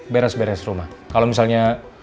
beres beres rumah kalau misalnya